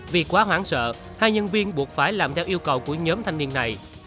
vì quá hoảng sợ hai nhân viên buộc phải làm theo yêu cầu của nhóm thanh niên này